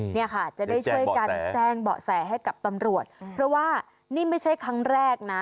เนี่ยค่ะจะได้ช่วยกันแจ้งเบาะแสให้กับตำรวจเพราะว่านี่ไม่ใช่ครั้งแรกนะ